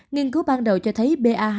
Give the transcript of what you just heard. nghiên cứu ban đầu cho thấy ba hai